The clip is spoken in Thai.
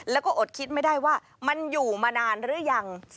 แล้วก็อดคิดไม่ได้ว่ามันอยู่มานานหรือยัง